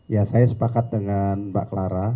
ya saya sepakat dengan mbak clara